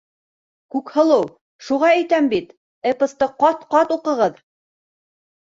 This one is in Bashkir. Күкһылыу, шуға әйтәм бит: эпосты ҡат-ҡат уҡығыҙ.